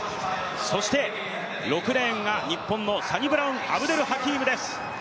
そして６レーンが日本のサニブラウン・アブデル・ハキームです。